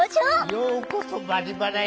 ようこそ「バリバラ」へ。